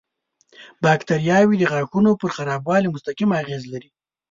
باکتریاوې د غاښونو پر خرابوالي مستقیم اغېز لري.